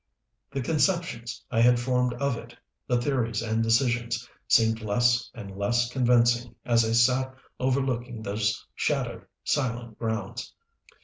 The conceptions I had formed of it, the theories and decisions, seemed less and less convincing as I sat overlooking those shadowed, silent grounds.